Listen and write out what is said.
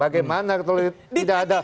bagaimana kalau tidak ada